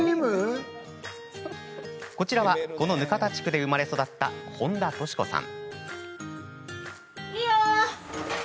こちらは、この額田地区で生まれ育った本多敏子さん。